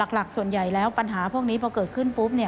หลักส่วนใหญ่แล้วปัญหาพวกนี้พอเกิดขึ้นปุ๊บ